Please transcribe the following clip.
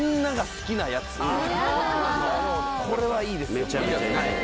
これはいいですよ